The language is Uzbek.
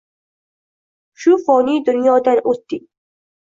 Shu foniy dunyodan o‘tding.